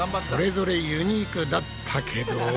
それぞれユニークだったけど。